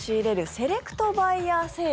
セレクトバイヤー？